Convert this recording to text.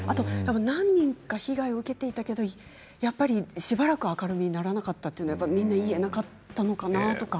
何人か被害を受けていたけれどやっぱり、しばらくは明るみにならなかったということでみんな言えなかったのかなとか。